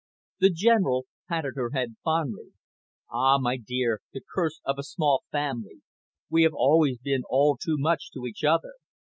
The General patted her head fondly. "Ah, my dear, the curse of a small family; we have always been all too much to each other."